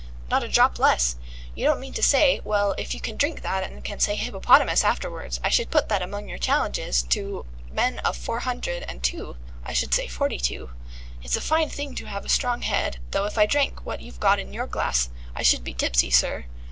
"Not a drop less. You don't mean to say Well, if you can drink that and can say hippopotamus afterwards, I should put that among your challenges, to men of four hundred and two: I should say forty two. It's a fine thing to have a strong head, though if I drank what you've got in your glass, I should be tipsy, sir."